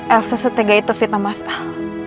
elsa setegah itu fitnah mas al